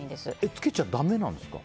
つけちゃダメなんですか？